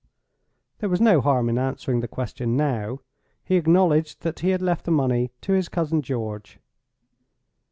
There was no harm in answering the question now. He acknowledged that he had left the money to his cousin George.